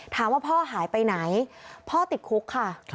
ถามว่าพ่อหายไปไหนพ่อติดคุกค่ะ